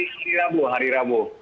hari rabu hari rabu